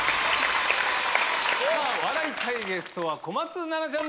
笑いたいゲスト小松菜奈ちゃん。